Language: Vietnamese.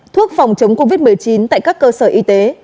thuốc phòng chống covid một mươi chín tại các cơ sở y tế